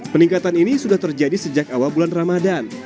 peningkatan ini sudah terjadi sejak awal bulan ramadan